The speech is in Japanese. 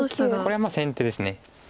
これは先手です。